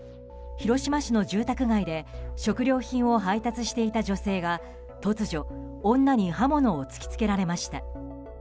広島市の住宅街で食料品を配達していた女性が突如、女に刃物を突き付けられました。